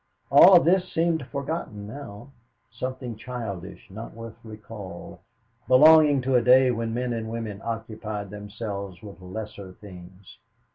All of this seemed forgotten now something childish, not worth recall, belonging to a day when men and women occupied themselves with lesser things.